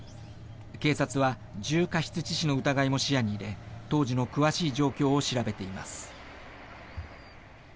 警察は重過失致死の疑いも視野に入れ当時の詳しい状況を調べています。